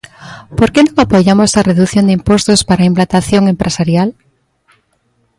¿Por que non apoiamos a redución de impostos para a implantación empresarial?